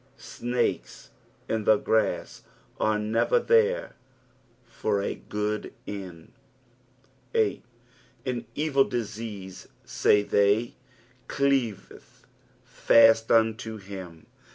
Snakes in the grass are never there for a good end. 8. "^n eeil duerut, »ay theff, cleaveCh/att unta him."